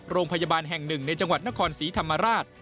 โรงพยาบาลแห่งหนึ่งในจังหวัดนครศรีธรรมราช